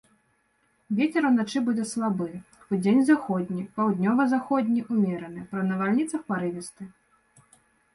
Вецер уначы будзе слабы, удзень заходні, паўднёва-заходні, умераны, пры навальніцах парывісты.